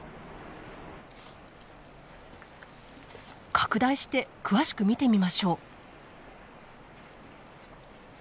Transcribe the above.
拡大して詳しく見てみましょう。